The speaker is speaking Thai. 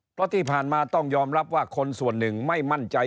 เพราะที่ผ่านมาต้องยอมรับว่าคนส่วนหนึ่งไม่มั่นใจ